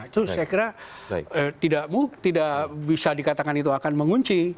itu saya kira tidak bisa dikatakan itu akan mengunci